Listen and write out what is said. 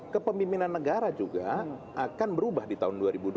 kepemimpinan negara juga akan berubah di tahun dua ribu dua puluh